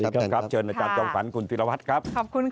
สวัสดีค่ะท่านจอมขวัญคุณฟิลวัฒน์ครับ